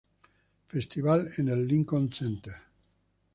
Festival en el Lincoln Center.